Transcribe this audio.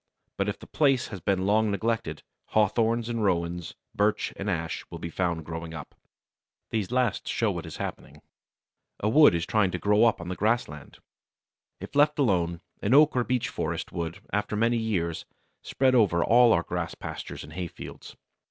But if the place has been long neglected, Hawthorns and Rowans, Birch and Ash will be found growing up. These last show what is happening. A wood is trying to grow up on the grassland. If left alone, an oak or beech forest would, after many years, spread over all our grass pastures and hay fields.